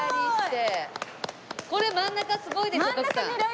これ真ん中すごいですよ徳さん。